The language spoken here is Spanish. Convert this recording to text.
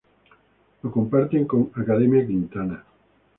Lo comparten con Academia Quintana.